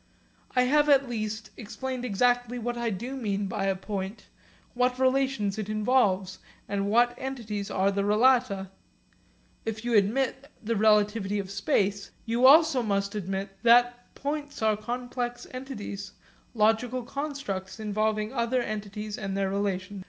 I have at least explained exactly what I do mean by a point, what relations it involves and what entities are the relata. If you admit the relativity of space, you also must admit that points are complex entities, logical constructs involving other entities and their relations.